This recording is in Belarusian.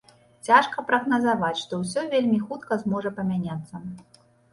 Цяжка прагназаваць, што ўсё вельмі хутка зможа памяняцца.